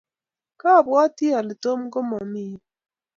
kaibwatii ale Tom mokomii yu.